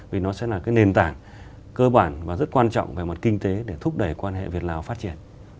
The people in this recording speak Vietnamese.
vì nó sẽ là cái nền tảng cơ bản và rất quan trọng về mặt kinh tế để thúc đẩy quan hệ việt lào phát triển